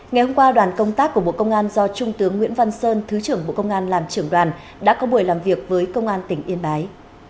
ngày hôm qua đoàn công tác của bộ công an do trung tướng nguyễn văn sơn thứ trưởng bộ công an làm trưởng đoàn đã có buổi làm việc với công an tỉnh yên bái